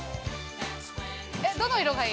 ◆どの色がいい？